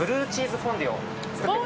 フォンデュ？